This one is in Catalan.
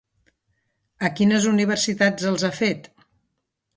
A quines universitats els ha fet?